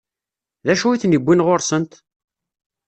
D acu i ten-iwwin ɣur-sent?